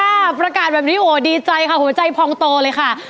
ถ้าประกาศแบบนี้โหดีใจค่ะหัวใจพองโตเลยค่ะ